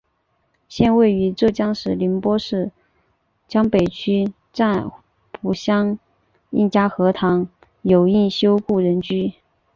现位于浙江省宁波市江北区乍浦乡应家河塘有应修人故居。